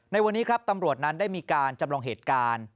ในวันนี้ครับตำรวจนั้นได้มีการจำลองเหตุการณ์